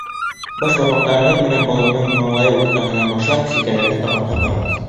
Баш бармаҡтарығыҙ менән баланың маңлайы уртаһынан башлап сикәләргә табан һыпырығыҙ.